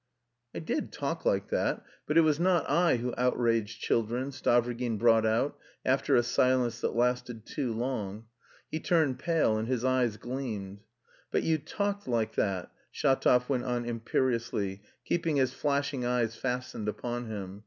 "I did talk like that, but it was not I who outraged children," Stavrogin brought out, after a silence that lasted too long. He turned pale and his eyes gleamed. "But you talked like that," Shatov went on imperiously, keeping his flashing eyes fastened upon him.